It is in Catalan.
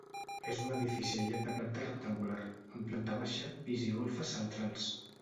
És un edifici aïllat de planta rectangular, amb planta baixa, pis i golfes centrals.